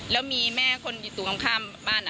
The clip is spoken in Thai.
แล้วมีแม่คนอยู่ตรงข้ามบ้าน